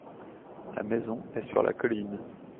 la maison est sur la colline.